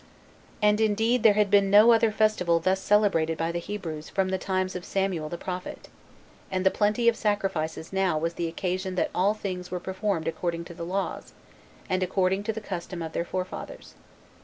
And indeed there had been no other festival thus celebrated by the Hebrews from the times of Samuel the prophet; and the plenty of sacrifices now was the occasion that all things were performed according to the laws, and according to the custom of their forefathers.